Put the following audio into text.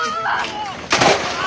あ！